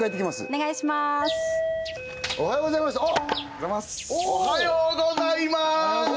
おはようございまーす！